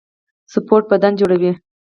سپورټ بدن جوړوي